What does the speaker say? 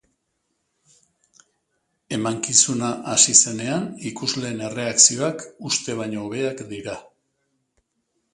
Emankizuna hasi zenean ikusleen erreakzioak uste baino hobeak dira.